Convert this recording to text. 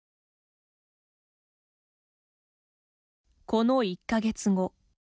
この１か月後。